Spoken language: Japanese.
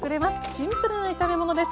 シンプルな炒め物です。